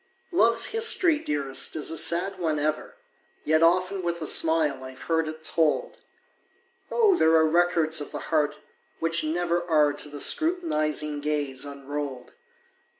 Love's history, dearest, is a sad one ever, Yet often with a smile I've heard it told! Oh, there are records of the heart which never Are to the scrutinizing gaze unrolled!